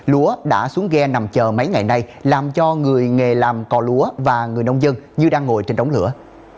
lúa đã xuống ghe nằm chờ mấy ngày nay làm cho người nghề làm cò lúa và người nông dân như đang ngồi trên đống lửa